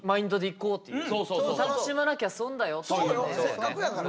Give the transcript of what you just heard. せっかくやから。